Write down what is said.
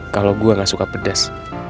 kalau gue gak suka pedas